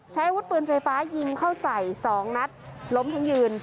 อาวุธปืนไฟฟ้ายิงเข้าใส่๒นัดล้มทั้งยืน